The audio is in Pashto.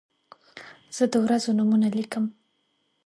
زه د ورځو نومونه لیکم.